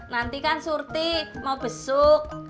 nanti kan surti mau besuk